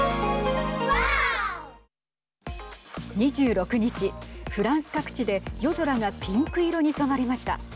２６日、フランス各地で夜空がピンク色に染まりました。